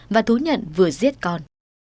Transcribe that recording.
và thú nhận vừa giết con